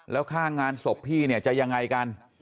แล้วฆ่างานศพพี่จะยังไงกัน